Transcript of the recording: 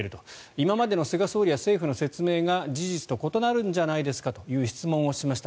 今までの菅総理や政府の説明が事実と異なるんじゃないんですかという質問をしました。